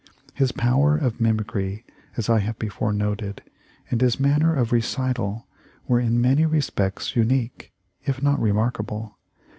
His power of mimicry, as I have before noted, and his manner of recital, were in many respects unique, if not remarkable.